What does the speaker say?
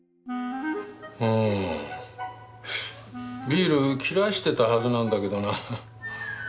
ビール切らしてたはずなんだけどな。